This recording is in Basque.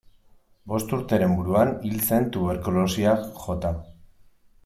Bost urteren buruan hil zen tuberkulosiak jota.